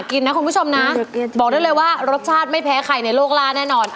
กินนะคุณผู้ชมนะบอกได้เลยว่ารสชาติไม่แพ้ใครในโลกล่าแน่นอน